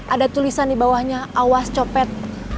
ada tulisan dibawahnya awas copet